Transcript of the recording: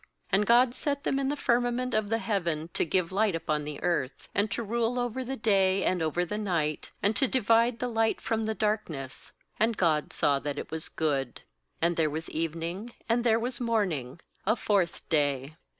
17And God set them in the firmament of the heaven to give light upon the earth, Kand to rule over the day and over the night, and to divide the light from the darkness; and God saw that it was good. 19And there was even ing and there was morning, a fourth day.